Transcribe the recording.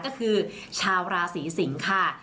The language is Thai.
ก็คือชาวราศีสิงค่ะ